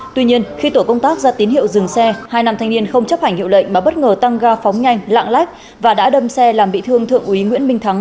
tuy nhiên khi tổ công tác ra tín hiệu dừng xe hai nam thanh niên không chấp hành hiệu lệnh mà bất ngờ tăng ga phóng nhanh lạng lách và đã đâm xe làm bị thương thượng úy nguyễn minh thắng